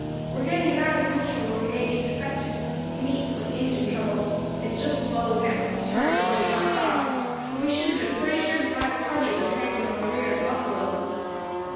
We are getting nigh the country where we may expect to meet with Injin troubles. It's just as well we met with this herd afore we got thar, for we should have been pretty sure to find a party of them hanging on the rear of the buffalo."